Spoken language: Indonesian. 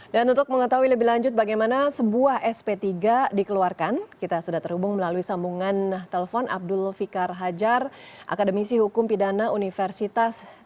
dan untuk mengetahui lebih lanjut bagaimana sebuah sp tiga dikeluarkan kita sudah terhubung melalui sambungan telepon abdul fikar hajar akademisi hukum pidana universitas trisakti